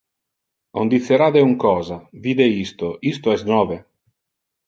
On dicera de un cosa: vide isto, isto es nove.